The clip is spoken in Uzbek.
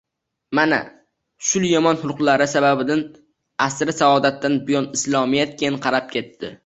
Mana, shul yomon xulqlari sababidin asri saodatdan buyon islomiyat keyin qarab ketdi